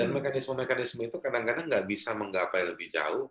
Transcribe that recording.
mekanisme mekanisme itu kadang kadang nggak bisa menggapai lebih jauh